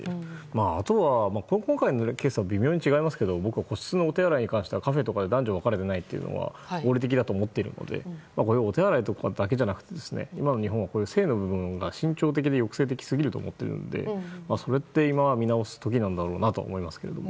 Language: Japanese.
あとは今回のケースとは違うと思いますが僕は個室のトイレはカフェとかで男女分かれていないのは合理的だと思っているのでお手洗いとかだけじゃなくて今の日本は制度の問題が慎重的で抑制的すぎると思うのでそれって今見直す時なんだろうと思います。